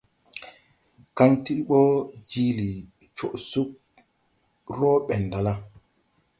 Kaŋ ti ɓɔ jiili coʼ sug rɔɔ ɓɛn ɗala.